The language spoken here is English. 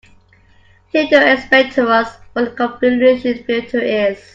Theodore explained to us what a convolution filter is.